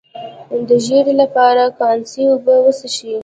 د ژیړي لپاره د کاسني اوبه وڅښئ